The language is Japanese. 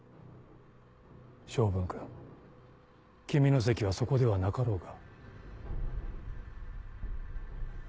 昌文君君の席はそこではなかろうが。